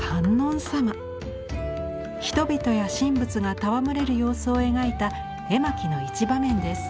人々や神仏が戯れる様子を描いた絵巻の一場面です。